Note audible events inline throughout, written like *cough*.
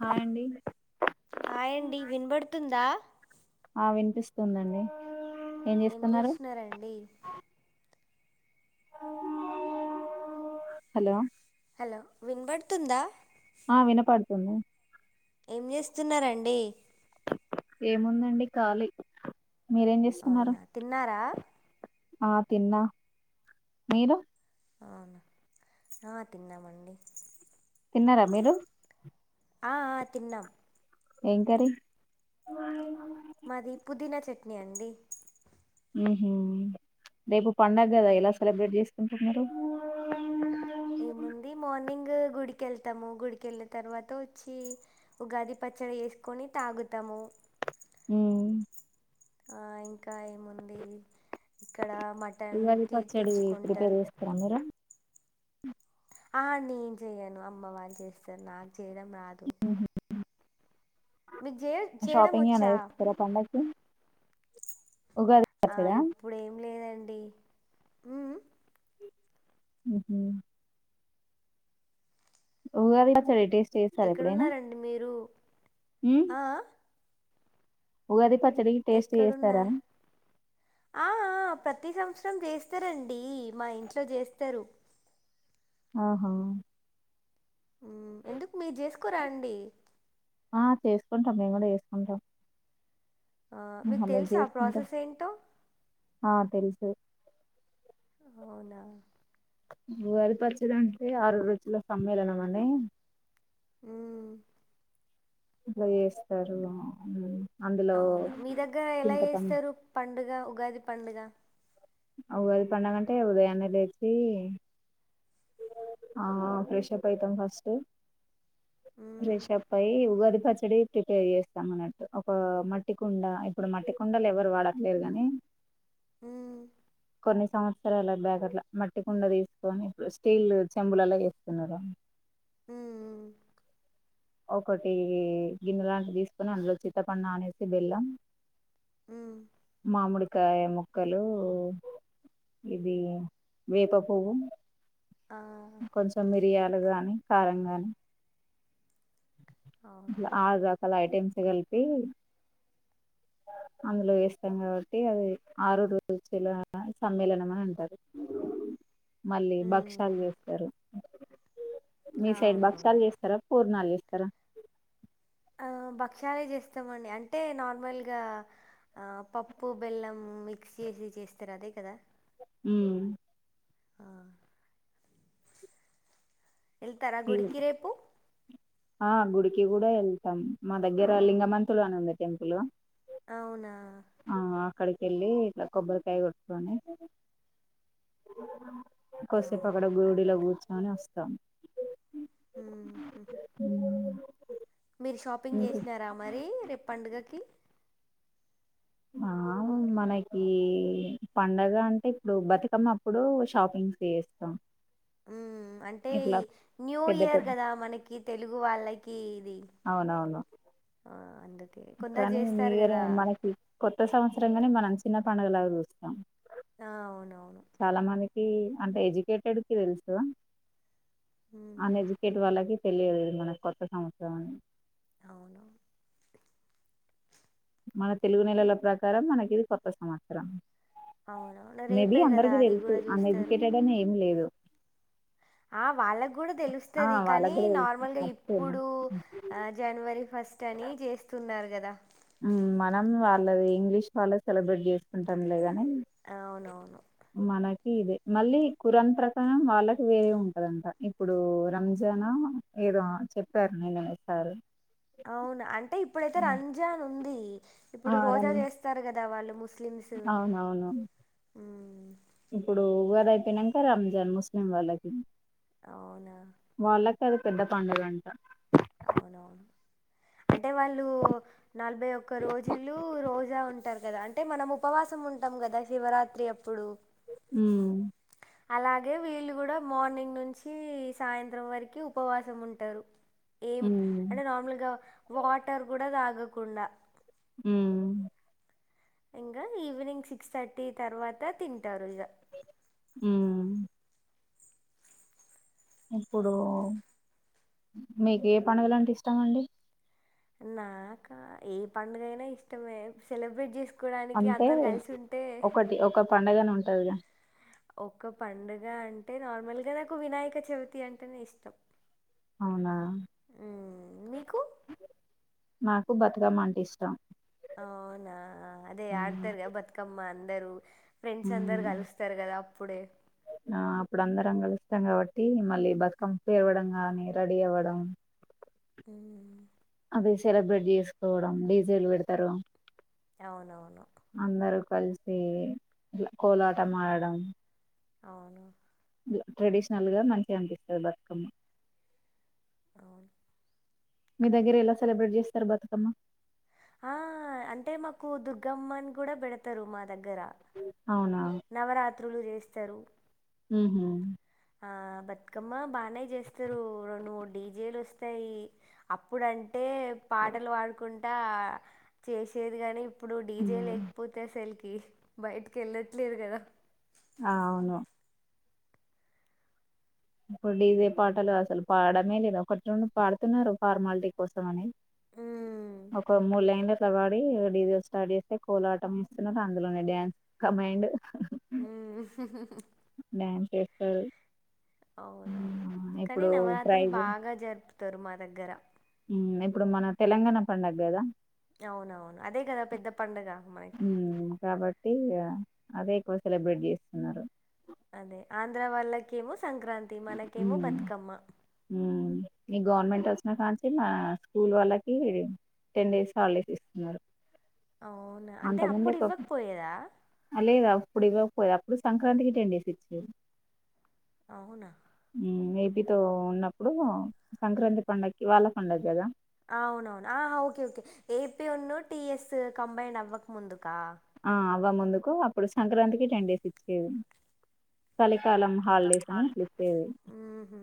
Hi అండి హాయండి వినబడుతుందా పిస్తుందండి ఏం చేస్తున్నారండి హలో హలో వినబడుతుందా ఆ వినపడుతుంది ఏం చేస్తున్నరండి ఏముందండి కాలీ తిన్నారా ఆ తిన్నా మీరు ఆహ్ తిన్నామండి తిన్నారా మీరు ఆ ఆ తిన్నం ఏం కర్రీ మాది పుదీనా చట్నీ అండి హ్మ్ హు దేపు పండగ కదా ఎలా మ్మ్. సెలబ్రేట్ చేస్ ఎం తిన్నారు ఏముంది మార్నింగ్ గుడికెళ్తాము గుడికెళ్ళిన తర్వాత వచ్చి ఉగాది పచ్చడి వేసుకొని తాగుతాము హ్మ్ ఆ ఇంకా ఏముంది ఇక్కడ మటన్ ఉగాది పచ్చడీ ప్రిపేర్ తెచ్చుకుంటారు చేస్తార మీరు? ఆ! నేన్ జెయను, అమ్మ వాళ్ళు జేస్తరు. నాకు చేయడం రాదు. మీకు చే చేయడం షాపింగ్ ఏమన్న వచ్చా జేస్తర? పండక్కిి ఆ! ఇప్పుడేంలేదండి. హ్మ్ హు ఉగాది పచ్చడి ఏట చెస్ ఎక్కడున్నారండి మీరు ఉమ్ ఆ ఉగాది పచ్ ఎక్కడున్నా? ఆ ఆ ప్రతి సంవత్సరం చేస్తారండి మా ఇంట్లో చేస్తారు ఆహా! ఉ ఎందుకు మీరు జేసుకురా అండీ కుంటం మేము గుడ ఏసుకుంటాం. ఆ మీకు తెల్సా, ప్రాసెస్ ఏంటో ఆ తెల్సు అవునా ఉగాది పచ్చడంటే ఆరు రుచుల సమ్మేళనం అని ఉ ఇట్ల జేస్తరూ ఉ అవునా, మీ దగ్గర ఎలా చేస్తారు, పండుగ ఉగాది పండుగ ఉగాది పండగంటే, ఉదయాన్నె లేచీ ఆ ఫ్రెషప్ అయితం ఫస్టు. మ్మ్. రష్ ప్పయి ఉగారి పచ్చడి ప్రిపేర్ చేస్తాం అన్నట్టు ఒక మట్టి కుండ ఇప్పుడు మట్టి కుండలు ఎవరు వాడట్లేరు కాని హు కొన్ని సంవత్సరాల బ్యాకట్ల, మట్టికుండా తీస్కొని స్టీల్ చెంబులల్లొ ఏస్తున్నరు హుహు ఒకటీ గిన్నె లాంటివి తీసుకొని, అందులో చిత్తపండు నానేసి, బెళ్ళం హు మామిడికాయ ముక్కలు, ఇది వేప పువ్వు ఆ కొంచం మిర్యా లు గాని, కారం గాని అవునా ట్ల ఆగక్ అలా ఐటెమ్స్ కలిపీ, అందులో ఏస్తం గాబట్టి అది, ఆరు రుచుల సమ్మేళనం అని అంటరు. మళ్ళీ భక్షాలు ఉమ్ చేస్తరు. మీ సైడ్ అవునవును బక్షాలు జెస్తర, పూర్ణాలు జేస్ తర ఆ భక్ష్యాలే జేస్తమండి. అంటే నార్మల్గా ఆ పప్పు, బెల్లం మిక్స్ చేసి, చేస్తర్ అదేకదా! హు ఆ వెళ్తారా, గుడికి రేపు ఆ గుడికి కూడా ఎళ్తాం, మా దగ్గర లింగమంతులు అని ఉంది టెంపులు అవునా అక్కడికెళ్లి ఇట్ల కొబ్బరికాయ కొట్కొకి కొసేపకడ అవునా గూడిలో కూచ్చొని వస్ ద మ్మ్ హు మీరు షాపింగ్ ఇంకా చేసినారా మరి రేపు పండుగకి ఆ మనకి పండగ అంటే ఇప్పుడు బతుకమ్మ అప్పుడు షాపింగ్ చేస్తాం ఊ అంటే ఇట్లా న్యూ పెద్ద ఇయర్ పెద్ద గదా మనకి తెలుగు వాళ్ళకి ఇది అవునవును ఆ అండ్ కానీ మీరు మనకి కొత్త సంవత్సరంగానే మనం చిన్న పండుగలాగా చూస్తాం ఆ అవునవును చాలా మంది ఏ అంటే ఎడ్యుకేటెడ్ కి తెలుసు అన్ ఉమ్ ఎజుకేట్ వాళ్లకి తెలియదు ఇది మనకు కొత్త సంవత్సరం అని అవును. మన తెలుగు నెలల ప్రకారం మనకి ఇది కొత్త సంవత్సరం. అవునవును మేబి రేపే కదా అందరికి అది వెళ్తూ కూడా చూస్తారు అన్ఎడ్యుకేటెడ్ అని ఏమి లేదు ఆ వాళ్ళకి కూడా ఆ దెలుస్తది కానీ, వాళ్ళకి కూడా తెలుసు నార్మల్గ మర్చిపోయిన ఇప్పుడూ ఆ జనవరి ఫస్ట్ అని జేస్తున్నర్. గదా మ్మ్ మనం వాళ్ళది ఇంగ్లీష్ వాళ్ళ సెలబ్రేట్ చేసుకుంటాం లేదా అవునవును ఇదే మళ్ళీ కురన్ ప్రకారం వాళ్ళకి వేరే ఉంటదంట ఇప్పుడు రంజానా ఏదో చెప్పారు నిన్న సారు అవును అంటే ఇప్పుడైతె రం జాన్ ఉంది ఆ ఇప్పుడు రం రోజా చేస్తారు కదా ద వాళ్ళ ముస్ అవునవును ఉమ్, ఇప్పుడు ఉగాదై ఐపోయినంక రంజన్ ముస్లిం వాల్లకి అవునా కదు పెద్ద పండుగంట అవునవును అంటే వాళ్ళు నలభై ఒక్క రోజులు రోజా ఉంటారు కదా అంటే మనం ఉపవాసం ఉంటాం కదా శివరాత్రి అప్పుడు ఉమ్ అలాగే వీళ్ళు కూడా మార్నింగ్ నుంచి సాయంత్రం వరకి ఉపవాసం ఉంటారు ఏం ఉమ్ అంటే నార్మల్ గా వాటర్ కూడా తాగ కుండా మ్మ్ ఇంకా ఈవినింగ్ సిక్స్ థర్టీ తర్వాత తింటారు ఇగ మ్మ్ ఇప్పుడూ మీక్ ఏ పడుగలంటే ఇష్టం అండి నాకా ఏ పండుగ అయినా ఇష్టమే సెలబ్రేట్ చేసుక్ అంటే ఒకటి ఒక పండగను టదిగా ఒక్క పండుగ అంటే నార్మల్గా నాకు వినాయక చవితి అంటేనే ఇష్టం అవునా మ్మ్. మీకు నాకు బతుకమ్మ అంటే ఇష్టం అవునా అదే ఆడతార బతుకమ్మ అందరు ఫ్రెండ్స్ అందరు ఉమ్, కలుస్తారు కదా అప్పుడే ఇష్టం కాబట్టి మళ్ళీ బతుకమ్ పేరవడం గాని రెడీ అవ్వడం హ్మ్ అది సెలబ్రేట్ చేసుకోవడం డీజేలు పెడతారు అవునవును అందరూ కలిసి ట్ల కోలాటం ఆడటం అవును ట్రెడిషనల్ గా మంచిగా అనిపిస్తది బతుకమ్మ అవును మీ దగ్గర ఎలా సెలబ్రేట్ చేస్తారు బతుకమ్మ ఆ అంటే మాకు దుర్గమ్మని కూడా పెడతారు మా దగ్గర అవునా నవరాత్రులు చేస్ తరు హ్మ్ హు ఆ బతుకమ్మ బానే చేస్తారు రెండుమూడు డీజేలు వస్తాయి అప్పుడు అం టే పాటలు పాడుకుంట్ ఆ చేసేది గని ఇప్పుడు డీజే లేకపోతే అసల్ కి బయటకెళ్ల లేదు కద ఆ అవును ఇప్పుడు డీజే పాటలు అసలు పాడడమే లేదు ఒకటి రెండు పాడుతున్నారు ఫార్మాలిటీ కోసం అనీ మ్మ్. ఒక మూడ్లైన్లు అట్ల పాడి డీజె స్టార్డ్ చేస్తే కోలాటం చేస్తున్నారు అందులోనే డ్యాన్స్ కమైండ్ మ్మ్. డ్యాన్స్ ఏస్తరు అవునవును కనీ నవరాత్రులు బాగా జరుపుతారు మా దగ్గర హ్మ్ ఇప్పుడు మన తెలంగాణ పండగదా అవునవును అదే కదా పెద్ద పండగ మనకి ట్టి ఇగా అదే ఎక్కువ సెలబ్రేట్ చేస్తున్నారు అదే ఆంధ్ర వాల్ళకేమొ హ్మ్ హ్మ్ ఈ గవర్నమెంట్ కాంచి ఇంగా స్కూల్ వాళ్ళకీ టెన్ డేస్ హాలిడేస్ ఇస్తున్నారు అవును అంటె అంత ముందే అప్పుడు ఇవ్వకపోయేదా పోదు అప్పుడు సంక్రాంతికి టెండేస్ ఇచ్చిర్రు అవునా ఎ పీ తో ఉన్నప్పుడు సంక్రాంతి పండుగకి వాళ్ళ పండగ కదా అవునవును అ ఓకే ఓకే ఏ పీ ఉన్ను టి ఎస్ కంబైన్ అవ్వక ముందు కా ఆ అవ్వ ముందుకు అప్పుడు సంక్రాంతి కి టెన్ డే ఇచ్చేది వాళ్ళకి కాలం హాలిడేస్ అని ఇట్లిచ్చేది మ్మ్హ.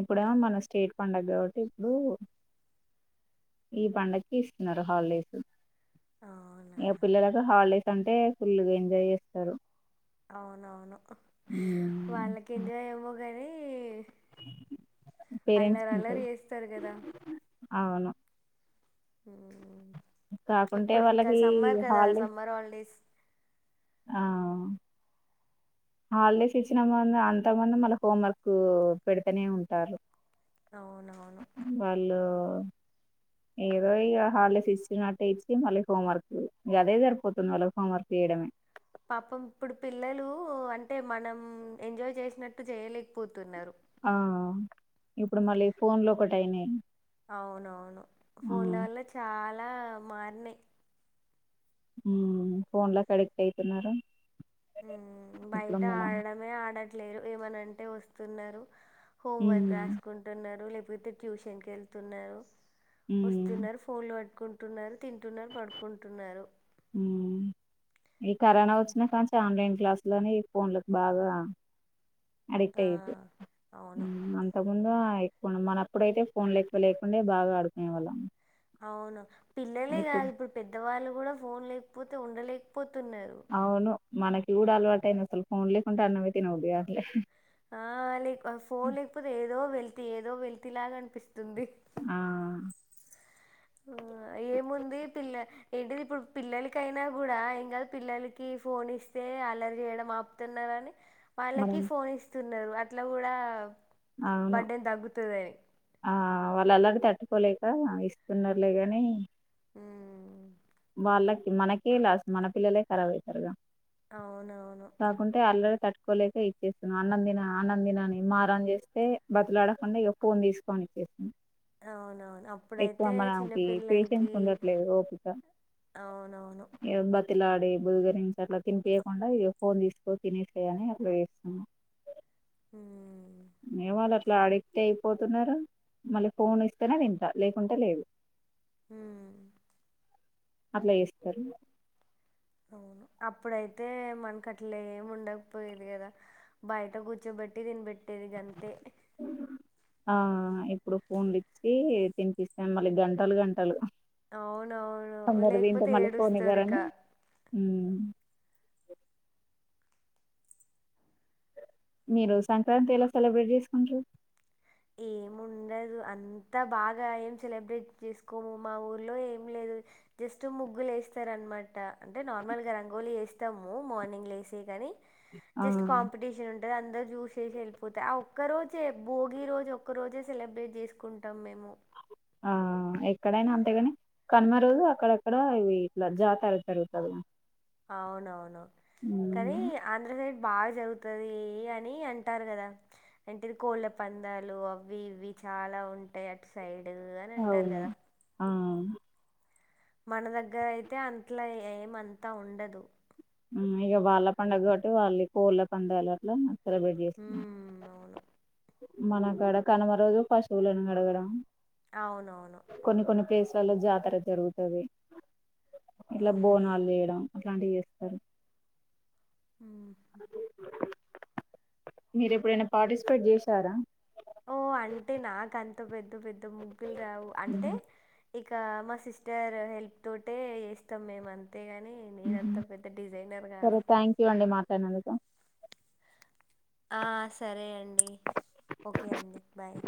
ఇప్పుడేమో మన స్టేట్ పండగ కాబట్టి ఇప్పుడూ ఈ పండగకి ఇస్తున్నారు హాలిడేస్ అవునా ఏ పిల్లలకు హాలిడేస్ అంటే ఫుల్గ ఎంజాయ్ చేస్తరు అవునవును వాళ్ళకి ఎంజాయ్ ఏమో గాని పేరెంట్స్ అల్లలల్లరి ఉంటారు చేస్తారు కదా అవును మ్మ్ కాకుంటే ఇప్పుడు ఇంకా వాళ్ళకి సమ్మర్ కదా హాలిడేస్ సమ్మర్ హాలిడేస్ ఆ హాలిడేస్ ఇచ్చిన మంది అంతక్ముందు మళ్ళ హోంవర్కూ పెడుతనే ఉంటారు అవునవును వాళ్ళు ఏదో ఇగ హాలిడేస్ ఇచ్చినట్టటు ఇచ్చి మళ్ళీ హోంవర్క్ ఇ అదే సరిపోతుంది మళ్ళీ హోంవర్క్ చేయడమే పాపం ఇప్పుడు పిల్లలూ అంటే మనం ఎంజాయ్ చేసినట్టు చేయలేకపోత్ ఆ ఇప్పుడు మళ్ళీ ఫోన్లో ఒకటి అయినాయి ఆ మారినయి మ్మ్ ఫోన్ లకి అడిక్ట్ అయితున్నారు ఇప్పుడు బయట మన ఆడడమే ఆడట్ ట్లేరు ఏమన్నంటే వస్తున్నరు హోమ్ ఉమ్ వర్క్ రాసుకుంటున్నరు తే ట్యూషన్కి వెళ్తున్నారు ఉమ్ వస్తున్నారు ఫోన్లు పట్టుకుంటు ట్టున్నారు తింటున్నారు పడుకుంటున్నారు ఉమ్ ఈ కరోనా వచ్చినా కాన్నుంచి ఆన్లైన్ క్లాసు లని ఫోన్లలకు బాగా అడిక్ట్ ఆ అయిర్రు అవును అంత ముందు అయ్ మనప్పుడైతే ఫోన్లు ఎక్కువ లేకుండే బాగా ఆడుకునే వాళ్ళం అవును పిల్లలే కాదు ఇప్పుడు పెద్దవాళ్ళు గుడా ఫోన్ లేకపోతే ఉండలేకపోత్ తున్నారు అవును మనకి కూడ అలవాటు అయింది అసలు ఫోన్ లేకుంటే అన్నమే తినబుద్ధి కాట్లే ఆ లేక ఫోన్ లేకపోతే ఏదో వెల్ ఏదో వెలితిలాగానిపిస్తుంది ఆ తుంది ఆ ఏముంది పిల్ల ఏంటిది ఇప్పుడు పిల్లలకైనా కూడా ఇంగ పిల్లలకి ఫోన్ ఇస్తే అల్లరి చేయడం ఆపుతున్నారని మనం వాళ్ళకి ఫోన్ ఇస్తురు అట్లా గూడ అవును బర్డెన్ తగ్గుతదని ఆ వాళ్ళ అలరి తట్టుకోలేక ఇస్తున్నారులేగాని మ్మ్. వాళ్ళకి మనకి లాస్ట్ మన పిల్లలే ఖరాబ్ అయితారుగా అవునవును అల్లరి తట్టుకోలేక ఇచ్చేస్తున్న అన్నం దిన అన్నం దినని మారం చేస్తే బతులాడకుండా ఇగ ఫోన్కో అని ఇచ్చేస్తున అవునవును ఎక్కువ అప్పుడైతే మనా కి పేషెన్స్ చిన్నపిల్లలకి ఉండట్లేదు ఓపిక అవునవును బతి లాడి బుదగరించి అట్లా తినిపియకుండా ఇగా ఫోన్ తీసుకో తినేసేయ్ అని అట్లా చేస్తున్నా మ్మ్. మేవాలస్ ఇట్లా అడిక్ట్ అయిపోతున్నారు మళ్ళీ ఫోన్ ఇస్తేనే తింటా లేకుంటే లేదు హుమ్ అట్ల ఏస్తరు అవును అప్పుడైతే మనకట్లేమి ఉండకపోయేది కదా బయట కూర్చోబెట్టి తినిబెట్టేది గంతే ఆ ఇప్పుడు ఫోన్లు ఇచ్చి తినిపిస్తాం మళ్ళీ గంటలు గంటలు అవునవును కొందరు తింటే లేకపోతే మళ్ళీ ఫోన్ ఏడుస్తార్ ఇక ఓ మీరు సంక్రాంతి ఎలా సెలబ్రేట్ చేసుకుంటారు ఏం ఉండదు అంతా బాగా ఏం సెలబ్రేట్ చేసుకోము మా ఊర్లో ఏం లేదు జస్ట్ ముగ్గులు ఏస్తర్ అనమాట అంటే నార్మల్ గా రంగోలీ ఏసి స్తాము మార్నింగ్ లేసెయ్ గానే జస్ట్ ఆ కాంపిటీషన్ ఉ అందరు చూసేసి ఎళ్ళిపోతయ్ ఆ ఒక్కరోజే భోగి రోజు ఒక్క రోజే సెలబ్రేట్ చేసుకుంటాం మేము ఆ ఎక్కడైనా అంతేగాని కనుమ రోజు అక్కడక్కడ ఇవి ఇట్లా జాతర జరుగుతది అవునవును కానీ ఉమ్, ఆంధ్రదేశ్ బాగా జరుగుతుది అని అంటారు కదా. అంటేది కోళ్ళ పందాలు అవి ఇవి చాలా ఉంటాయి. అటు సైడ్ పడు అని అంటారు అవును కదా ఆ మన దగ్గరయితే అట్లో ఏమంతా ఉండదు. ఇక వాళ్ళ పండుగ కాబట్టి వాళ్ళ కోళ్ళ పండగలు అట్లా సెలబ్రేట్ చే హ్మ్. అవును. మన కాడ కనుమ రోజు పశువులను కడగడం అవునవును లో జాతర జరుగుతుంది. ఇట్లా అవునా! బోనాలు చేయడం అట్లాంటివి చే సర అ హుహు. *unintelligible* మీరు ఎప్పుడైనా పార్టిసిపేట్ చేశారా ఓ అంటే నాకంత పెద్ద పెద్ద పెద్ద ముగ్గులు రావు అంటే ఉహు, ఇక మా సిస్టర్ హెల్ప్ తోటే వస్తాం మేము అంత. అంతేగాని ఉహు. నేనంత పెద్ద డిజైనర్ కాదు. సరే థ్యాంక్ యూ అండి మాట్లాడినందుకు ఆ సరే అండి ఓకే అండి బాయ్